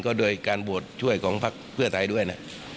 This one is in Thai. ก็โดยการโหวตช่วยของพักเพื่อไทยด้วยนะ